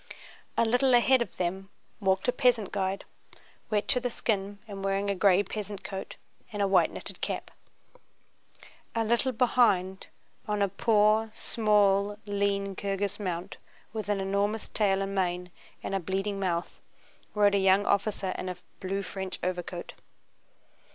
A little ahead of them walked a peasant guide, wet to the skin and wearing a gray peasant coat and a white knitted cap. A little behind, on a poor, small, lean Kirghíz mount with an enormous tail and mane and a bleeding mouth, rode a young officer in a blue French overcoat.